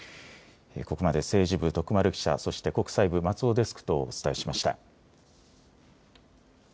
ここまで政治部、徳丸記者そして国際部、松尾デスクとお伝えしました。